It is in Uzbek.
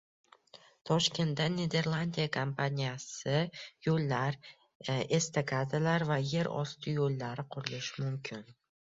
Toshkentda Niderlandiya kompaniyasi yo‘llar, estakadalar va yer osti yo‘llari qurishi mumkin